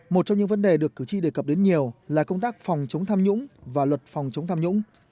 một trong những vấn đề được cử tri đề cập đến nhiều là công tác phòng chống tham nhũng và luật phòng chống tham nhũng